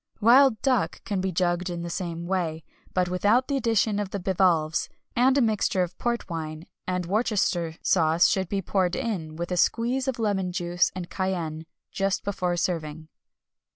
Wild duck can be jugged in the same way, but without the addition of the bivalves; and a mixture of port wine and Worcester sauce should be poured in, with a squeeze of lemon juice and cayenne, just before serving.